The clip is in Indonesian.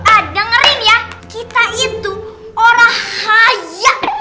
ah dengerin ya kita itu orang hayat